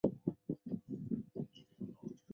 光通量与辐射通量的比值称为辐射发光效率。